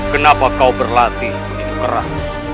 kenapa kau berlatih begitu keras